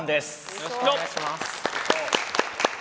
よろしくお願いします。